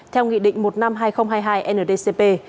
theo nghị định một năm hai nghìn hai mươi hai ndcp